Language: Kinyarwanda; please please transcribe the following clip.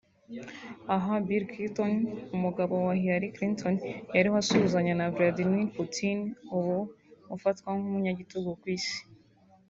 Aha Bill Clinton umugabo wa Hillary Clinton yariho asuhuzanya na Vradimir Putini ubu ufatwa nk'umunyagitugu ku Isi